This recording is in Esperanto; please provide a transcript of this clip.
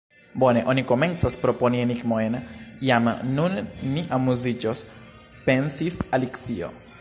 "Bone, oni komencas proponi enigmojn: jam nun ni amuziĝos," pensis Alicio.